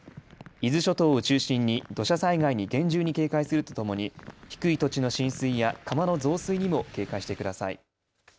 伊豆諸島を中心に土砂災害に厳重に警戒するとともに低い土地の浸水や川の増水にも警戒してください。